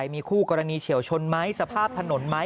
มีคู่กรณีเชี่ยวชนมั้ยสภาพถนนมั้ย